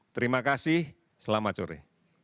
terima kasih selamat sore